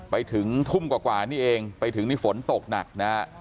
ไปถึงทุ่มกว่านี่เองไปถึงนี่ฝนตกหนักนะฮะ